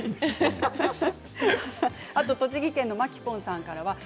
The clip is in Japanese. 栃木県の方です。